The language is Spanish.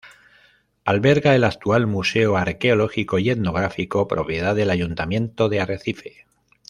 Alberga el actual museo arqueológico y etnográfico, propiedad del Ayuntamiento de Arrecife.